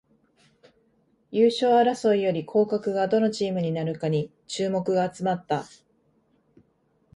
優勝争いより降格がどのチームになるかに注目が集まった